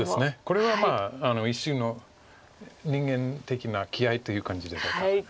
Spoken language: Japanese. これは一種の人間的な気合いという感じでしょうか。